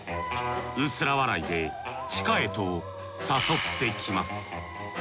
薄ら笑いで地下へと誘ってきます。